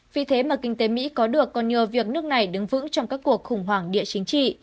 vì thế mà kinh tế mỹ có được còn nhờ việc nước này đứng vững trong các cuộc khủng hoảng địa chính trị